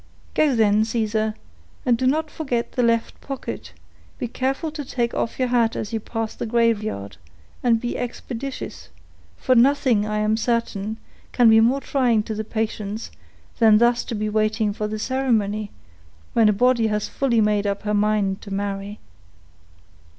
"Go, then, Caesar, and do not forget the left pocket; be careful to take off your hat as you pass the graveyard, and be expeditious; for nothing, I am certain, can be more trying to the patience, than thus to be waiting for the ceremony, when a body has fully made up her mind to marry."